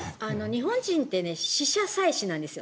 日本人って死者祭祀なんですよ。